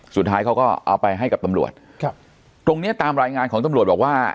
สุดท้ายเขาก็เอาไปให้กับตำรวจครับตรงเนี้ยตามรายงานของตำรวจบอกว่า